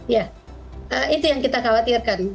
ya itu yang kita khawatirkan